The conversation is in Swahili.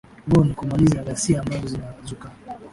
go ni kumaliza ghasia ambazo zinazuka